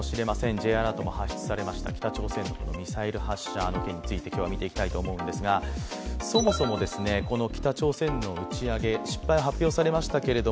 Ｊアラートも発出されました、北朝鮮のミサイル発射の件について今日は見ていきたいと思うんですがそもそも北朝鮮の打ち上げ、失敗が発表されましたけど